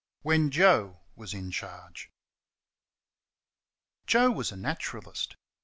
When Joe Was In Charge. Joe was a naturalist.